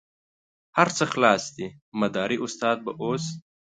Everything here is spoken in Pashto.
هر څه خلاص دي مداري استاد به اوس.